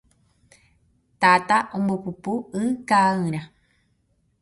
Tata ombopupu y ka'ayrã